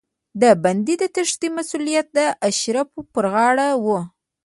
د بندي د تېښتې مسوولیت د اشرافو پر غاړه و.